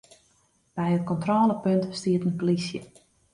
By it kontrôlepunt stiet in plysje.